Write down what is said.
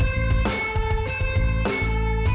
raya sama mondi